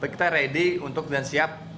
kita ready untuk dan siap tiga dua